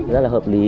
rất là hợp lý